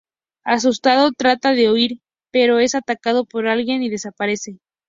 Asustado, trata de huir, pero es atacado por alguien y desaparece.